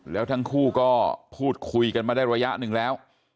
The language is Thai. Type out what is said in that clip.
แล้วทั้งคู่ก็พูดคุยกันมาได้ระยะหนึ่งแล้ว